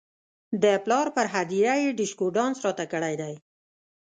د پلار پر هدیره یې ډیشکو ډانس راته کړی دی.